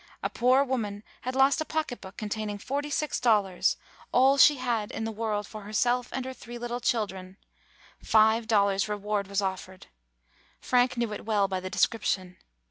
A poor woman had lost a pocketbook containing forty six dollars, all she had in the world for herself and three little children. Five dollars reward was offered. Frank knew it well by the description.